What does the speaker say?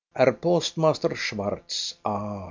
Herr postmaster Schwartz ah!